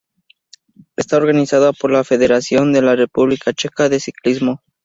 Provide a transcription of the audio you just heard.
Está organizada por la Federación de la República Checa de Ciclismo.